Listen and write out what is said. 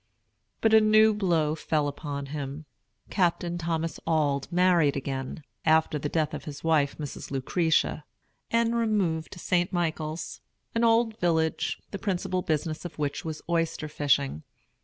But a new blow fell upon him. Captain Thomas Auld married again, after the death of his wife Mrs. Lucretia, and removed to St. Michael's, an old village, the principal business of which was oyster fishing.